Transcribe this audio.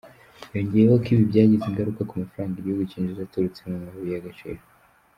Yongeyeho ko ibi byagize ingaruka ku mafaranga igihugu cyinjiza aturutse mu mabuye y’agaciro.